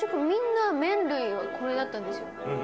みんな麺類はこれだったんですよ。